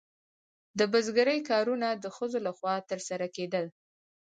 د بزګرۍ کارونه د ښځو لخوا ترسره کیدل.